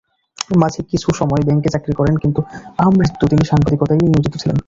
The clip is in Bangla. মাঝে কিছুসময় ব্যাংকে চাকরি করেন কিন্তু আমৃত্যু তিনি সাংবাদিকতায়ই নিয়োজিত ছিলেন।